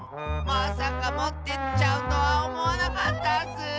まさかもってっちゃうとはおもわなかったッス！